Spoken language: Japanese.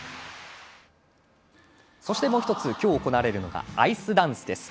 そしてもう１つ今日、行われるのがアイスダンス。